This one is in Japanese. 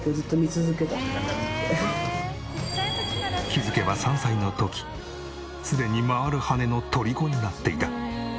気づけば３歳の時すでに回る羽根のとりこになっていた。